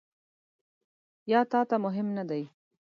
یا تا ته مهم نه دي ؟